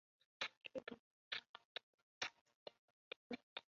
文正是日本年号之一。